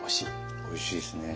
おいしいですね。